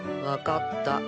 分かった。